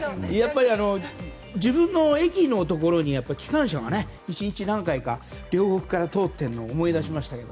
自分の駅のところに機関車が１日何回か両国から通っているの思い出しました。